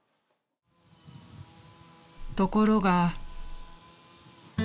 ［ところが］